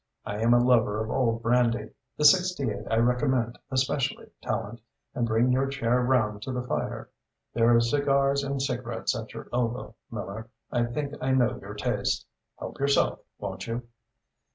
"I am a lover of old brandy. The '68 I recommend especially, Tallente, and bring your chair round to the fire. There are cigars and cigarettes at your elbow. Miller, I think I know your taste. Help yourself, won't you?"